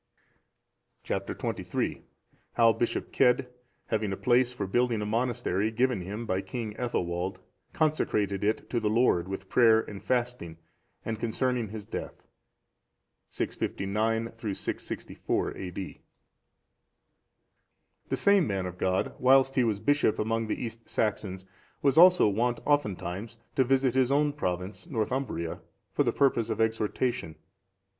Chap. XXIII. How Bishop Cedd, having a place for building a monastery given him by King Ethelwald, consecrated it to the Lord with prayer and fasting; and concerning his death. [659 664 A.D.] The same man of God, whilst he was bishop among the East Saxons, was also wont oftentimes to visit his own province, Northumbria, for the purpose of exhortation.